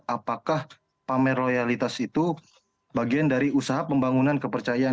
apakah pamer loyalitas itu bagian dari usaha pembangunan kepercayaan